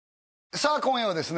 さあ今夜はですね